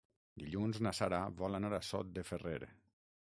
Dilluns na Sara vol anar a Sot de Ferrer.